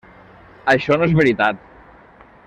Això no és veritat.